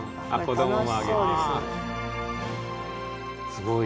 すごい。